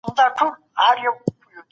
په شریعت کي د هرې ستونزي حل سته.